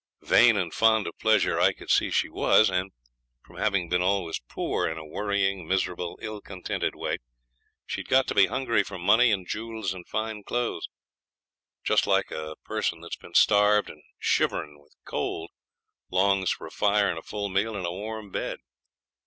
Vain and fond of pleasure I could see she was; and from having been always poor, in a worrying, miserable, ill contented way, she had got to be hungry for money and jewels and fine clothes; just like a person that's been starved and shivering with cold longs for a fire and a full meal and a warm bed.